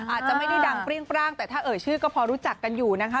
อาจจะไม่ได้ดังเปรี้ยงปร่างแต่ถ้าเอ่ยชื่อก็พอรู้จักกันอยู่นะคะ